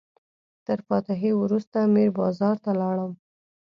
تر فاتحې وروسته میر بازار ته لاړم.